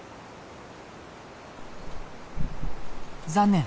残念！